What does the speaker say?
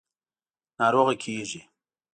– ناروغه کېږې.